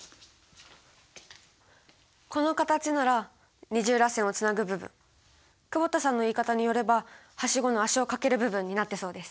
この形なら二重らせんをつなぐ部分久保田さんの言い方によればはしごの足を掛ける部分になってそうです。